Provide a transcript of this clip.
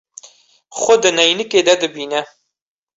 Xwe di neynikê de dibîne.